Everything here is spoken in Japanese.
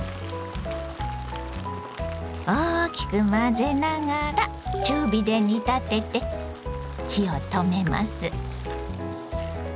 大きく混ぜながら中火で煮立てて火を止めます。